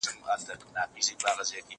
لیک د زهشوم له خوا کيږي؟!